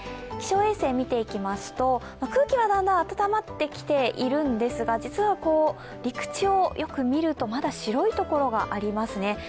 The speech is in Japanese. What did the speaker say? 気象衛星見ていきますと、空気はだんだん暖まってきているんですが、実は、陸地をよく見るとまだ白いところがありますね。